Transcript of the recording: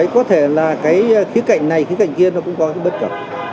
có thể là cái khía cạnh này khía cạnh kia nó cũng có cái bất cập